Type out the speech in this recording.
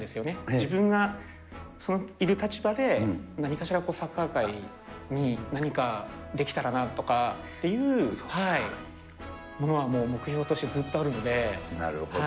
自分がいる立場で、何かしらサッカー界に何かできたらなとかっていうものはもう、なるほど。